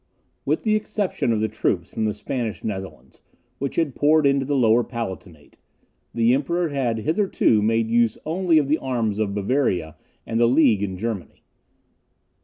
With the exception of the troops from the Spanish Netherlands, which had poured into the Lower Palatinate, the Emperor had hitherto made use only of the arms of Bavaria and the League in Germany.